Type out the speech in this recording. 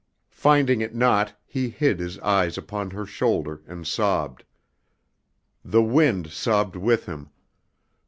Finding it not, he hid his eyes upon her shoulder, and sobbed. The wind sobbed with him.